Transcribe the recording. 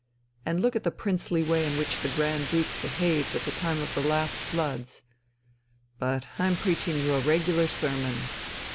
And look at the princely way in which the Grand Duke behaved at the time of the last floods.... But I'm preaching you a regular sermon!"